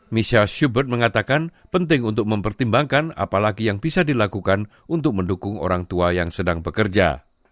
michel syuberg mengatakan penting untuk mempertimbangkan apalagi yang bisa dilakukan untuk mendukung orang tua yang sedang bekerja